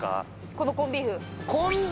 このコンビーフ